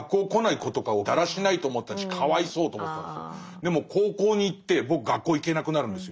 でも高校に行って僕学校行けなくなるんですよ。